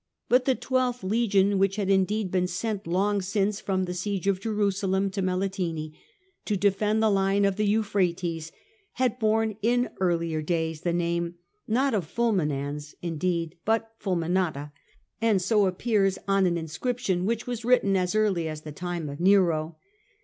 But the twelfth legion, which had indeed been sent long since from the siege of Jerusalem to Melitene, to defend the line of the Euphrates, had borne in earlier years the name, not of ' Fulminans ' indeed but ' Fulminata,' and so appears on an inscription which was written as early as the time of Nero.